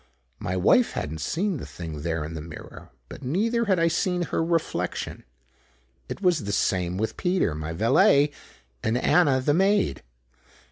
My wife hadn't seen the thing there in the mirror, but neither had I seen her reflection. It was the same with Peter, my valet, and Anna, the maid.